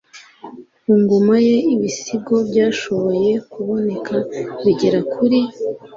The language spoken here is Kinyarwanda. ku ngoma ye ibisigo byashoboye kuboneka bigera kuri